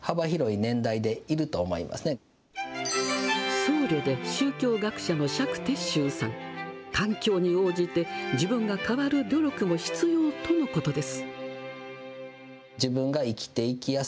僧侶で宗教学者の釈徹宗さん環境に応じて、自分が変わる努力も必要とのことです。